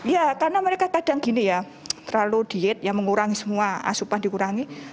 ya karena mereka kadang gini ya terlalu diet ya mengurangi semua asupan dikurangi